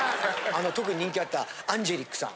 あの特に人気あったアンジェリックさん。